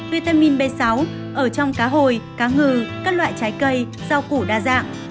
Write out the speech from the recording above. vitamin b sáu ở trong cá hồi cá ngừ các loại trái cây rau củ đa dạng